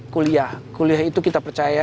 kuliah kuliah itu kita percaya